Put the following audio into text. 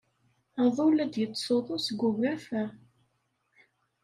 Aḍu la d-yettsuḍu seg ugafa.